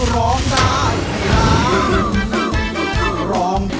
ร้องหน่าร้อง